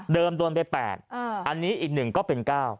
โดนไป๘อันนี้อีก๑ก็เป็น๙